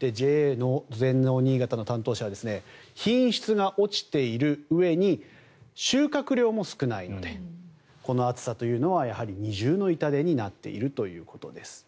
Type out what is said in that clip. ＪＡ全農にいがたの担当者は品質が落ちているうえに収穫量も少ないこの暑さは二重の痛手になっているということです。